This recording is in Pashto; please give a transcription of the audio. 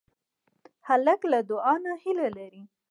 هلک له دعا نه هیله لري.